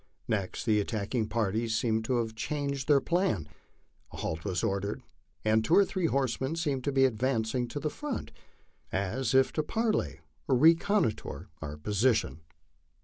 Next, the attacking parties seemed to have changed their plan ; a halt was ordered, and two or three horsemen seemed to be advancing to the front as if to parley, or reconnoitre our position.